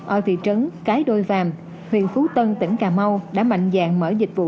ở vị trấn cái đôi vàm huyện phú tân tỉnh cà mau đã mạnh dạng mở dịch vụ